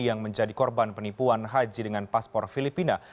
yang menjadi korban penipuan haji dengan paspor filipina